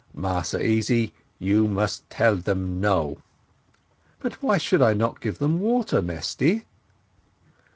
"Massy Easy, you must tell them No." "But why should I not give them water, Mesty?"